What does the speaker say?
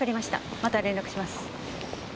また連絡します。